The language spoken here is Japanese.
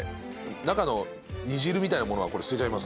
中の煮汁みたいなものは捨てちゃいます。